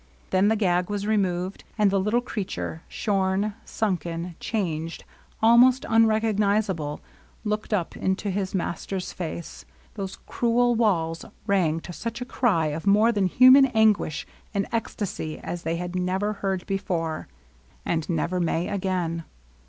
When the gag was removed^ and the little creature^ shom^ sunken^ changed^ almost unrecognizable^ looked up into his master's face^ those cruel walls rang to such a cry of more than human anguish and ecstasy as they had never heard before^ and never may again.